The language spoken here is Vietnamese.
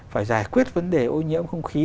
phải giải quyết vấn đề ô nhiễm không khí